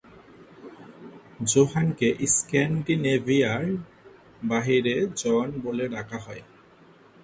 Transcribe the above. জোহানকে স্ক্যান্ডিনেভিয়ার বাইরে জন বলে ডাকা হয়।